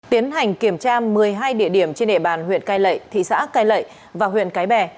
tiến hành kiểm tra một mươi hai địa điểm trên địa bàn huyện cai lệ thị xã cai lậy và huyện cái bè